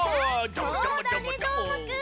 そうだねどーもくん！